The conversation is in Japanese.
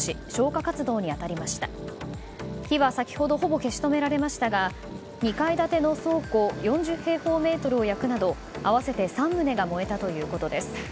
火は先ほどほぼ消し止められましたが２階建ての倉庫４０平方メートルを焼くなど合わせて３棟が燃えたということです。